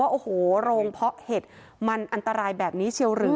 โอ้โหโรงเพาะเห็ดมันอันตรายแบบนี้เชียวหรือ